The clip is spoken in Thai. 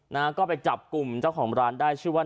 นะฮะก็ไปจับกลุ่มเจ้าของร้านได้ชื่อว่า